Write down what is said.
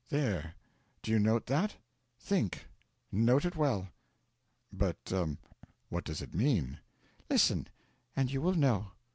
There do you note that? Think note it well.' 'But what does it mean?' 'Listen, and you will know.